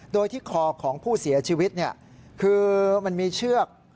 โดยที่คอของผู้เสียชีวิตคือมันมีเชือก